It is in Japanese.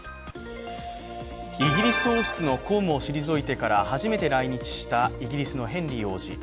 イギリス王室の公務を退いてから、初めて来日したイギリスのヘンリー王子。